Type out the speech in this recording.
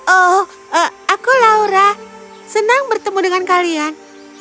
oh aku laura senang bertemu dengan kalian